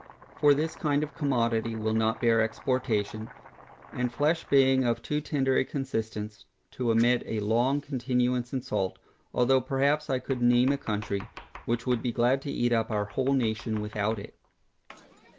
For this kind of commodity will not bear exportation, and flesh being of too tender a consistence, to admit a long continuance in salt, although perhaps I could name a country, which would be glad to eat up our whole nation without it.